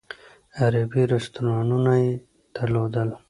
عربي رستورانونه یې درلودل.